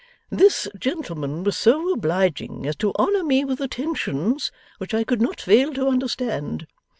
'This gentleman was so obliging as to honour me with attentions which I could not fail to understand.